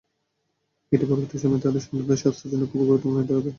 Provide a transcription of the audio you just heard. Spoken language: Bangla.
এটি পরবর্তী সময়ে তাদের সন্তানদের স্বাস্থ্যের জন্য অত্যন্ত গুরুত্বপূর্ণ হয়ে দাঁড়ায়।